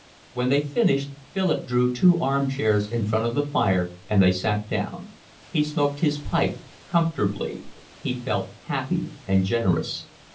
When they finished, Philip drew two arm chairs in front of the fire, and they sat down. He smoked his pipe comfortably. He felt happy and generous.